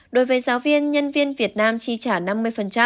đối với giáo viên nhân viên việt nam chi trả năm mươi